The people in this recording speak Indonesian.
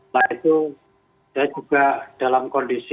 nah itu saya juga dalam kondisi